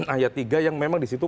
ayat tiga yang memang di situ